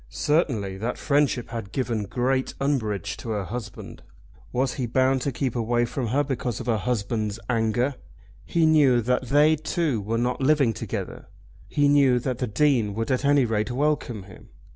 Certainly that friendship had given great umbrage to her husband. Was he bound to keep away from her because of her husband's anger? He knew that they two were not living together. He knew that the Dean would at any rate welcome him.